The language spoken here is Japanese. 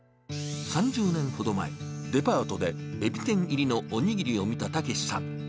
３０年ほど前、デパートでエビ天入りのおにぎりを見た武さん。